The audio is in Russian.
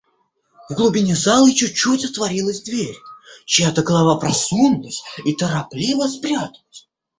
В глубине залы чуть-чуть отворилась дверь; чья-то голова просунулась и торопливо спряталась.